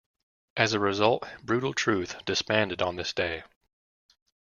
As a result, Brutal Truth disbanded on this day.